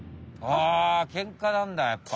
あケンカなんだやっぱ！